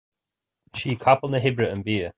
Sí capall na hoibre an bia